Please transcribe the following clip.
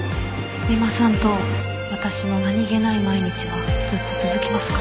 三馬さんと私の何げない毎日はずっと続きますか？